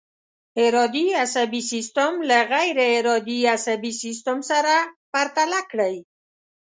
ارادي عصبي سیستم له غیر ارادي عصبي سیستم سره پرتله کړئ.